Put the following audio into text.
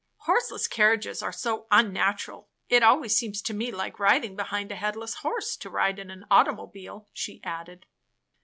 "Horseless carriages are so "unnatural. It always seems to me like riding behind a headless horse to ride in an automobile," she added.